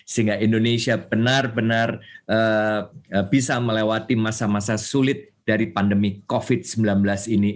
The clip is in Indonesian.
sehingga indonesia benar benar bisa melewati masa masa sulit dari pandemi covid sembilan belas ini